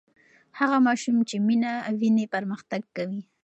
هغه ماشوم چې مینه ویني پرمختګ کوي.